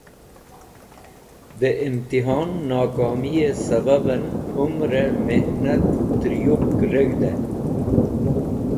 De Imtihon Nokomiye Sababen Umare Mihnat ter yupk reg̃hdey